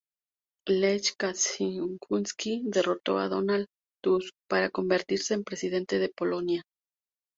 Lech Kaczyński derrotó a Donald Tusk para convertirse en presidente de Polonia.